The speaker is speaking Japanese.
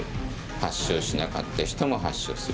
発症しなかった人も発症する。